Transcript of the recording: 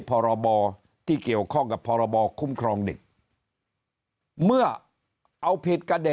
พรบที่เกี่ยวข้องกับพรบคุ้มครองเด็กเมื่อเอาผิดกับเด็ก